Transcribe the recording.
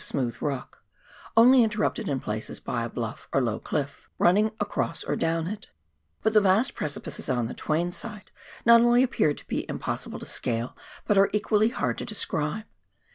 smootli rock, only interrupted in places by a blnfE or low cliff, running across or down it ; but the vast precipices on tbe Twain side not only appear to be impossible to scale, but are equally hard to describe.